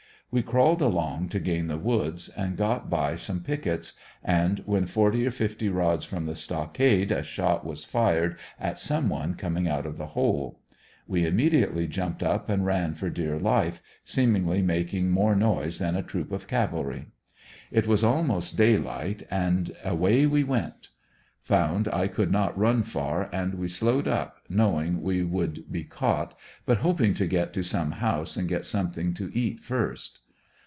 We crawled along to gam the woods, and get by some pickets, and when forty or fifty rods from the stockade, a shot was fired at some one coming out of the hole. We immediately jumped up and ran for dear life, seemingly making more noise than a troop of cavalry. It was almost daylight and away we went. Found I could not run far and we slowed up, knowing we would be caught, but hoping to get to some house and get something to eat first.